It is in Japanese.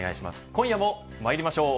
今夜もまいりましょう。